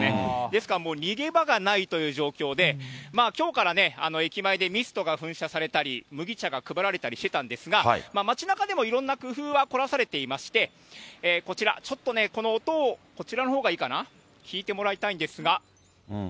ですからもう逃げ場がないという状況で、きょうからね、駅前でミストが噴射されたり、麦茶が配られたりしてたんですが、街なかでもいろんな工夫は凝らされていまして、こちら、ちょっとこの音を、こちらのほうがいいかな、聞いてもらいたいんですが。